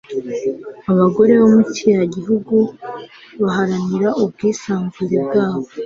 Abagore bo muri kiriya gihugu baharanira ubwisanzure bwabo